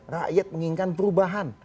rakyat menginginkan perubahan